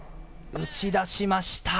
打ち出しました。